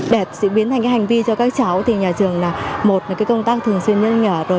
để biến thành hành vi cho các cháu thì nhà trường là một công tác thường xuyên nhất nhỏ